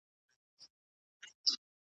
اوس په خپله يو د بل په لاس قتلېږي .